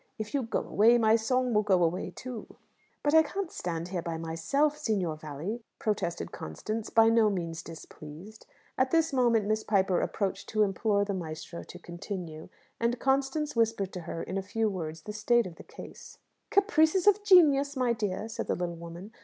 If you go away, my song will go away too." "But I can't stand here by myself, Signor Valli," protested Constance, by no means displeased. At this moment Miss Piper approached to implore the maestro to continue, and Constance whispered to her in a few words the state of the case. "Caprices of genius, my dear," said the little woman.